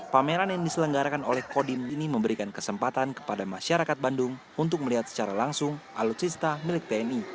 pameran yang diselenggarakan oleh kodim ini memberikan kesempatan kepada masyarakat bandung untuk melihat secara langsung alutsista milik tni